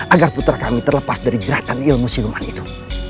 agar putra kami terlepas dari jeratan ilmu siluman itu